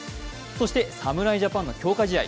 そして侍ジャパンの強化試合。